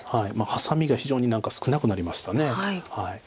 ハサミが非常に少なくなりました。